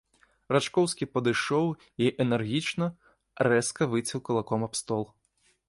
Рачкоўскі падышоў і энергічна, рэзка выцяў кулаком аб стол.